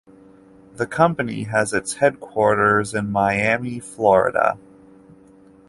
The company has its headquarters in Miami, Florida.